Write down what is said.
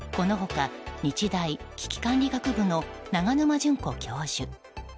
この他、日大危機管理学部の永沼淳子教授。